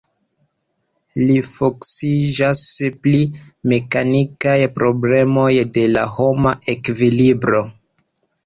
Li fokusiĝas pri mekanikaj problemoj de la homa ekvilibro.